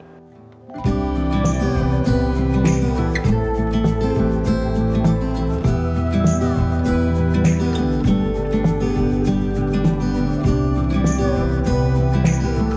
โปรดติดตามตอนต่อไป